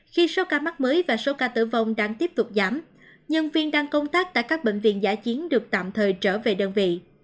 khi số ca mắc mới và số ca tử vong đang tiếp tục giảm nhân viên đang công tác tại các bệnh viện giả chiến được tạm thời trở về đơn vị